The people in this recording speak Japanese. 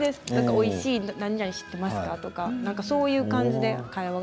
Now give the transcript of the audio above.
おいしいなになに知っていますかとかそういう感じで会話は。